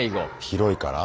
広いから？